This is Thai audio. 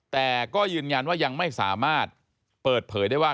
แต่ก็ยืนยันว่ายังไม่สามารถเปิดเผยได้ว่า